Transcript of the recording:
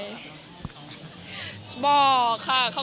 แล้วคุณคุยกับเขาหรือเปล่าแล้วคุณคุยกับเขาหรือเปล่า